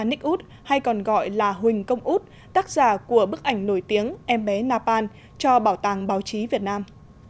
nick wood hay còn gọi là huỳnh công út tác giả của bức ảnh nổi tiếng em bé napan cho bảo tàng báo chí việt nam